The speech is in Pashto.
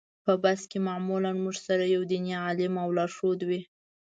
په بس کې معمولا موږ سره یو دیني عالم او لارښود وي.